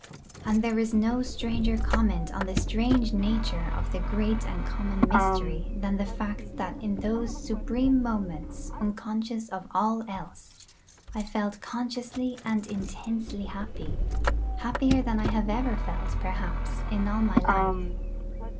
And there is no stranger comment on the strange nature of the great and common mystery than the fact that in those supreme moments, unconscious of all else, I felt consciously and intensely happy happier than I have ever felt, perhaps, in all my life.